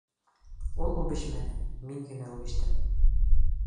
— Ул үбешмәне, мин генә үбештем.